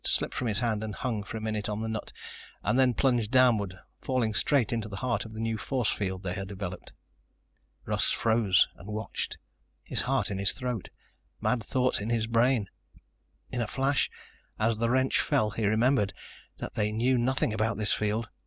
It slipped from his hand, hung for a minute on the nut and then plunged downward, falling straight into the heart of the new force field they had developed. Russ froze and watched, his heart in his throat, mad thoughts in his brain. In a flash, as the wrench fell, he remembered that they knew nothing about this field.